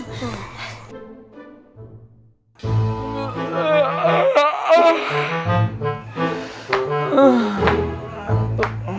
tiring aja 'kan udah kebuka